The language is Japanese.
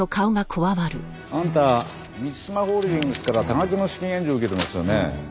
あんた満島ホールディングスから多額の資金援助受けてますよね。